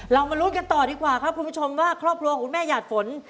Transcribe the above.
มาลุ้นกันต่อดีกว่าครับคุณผู้ชมว่าครอบครัวของคุณแม่หยาดฝน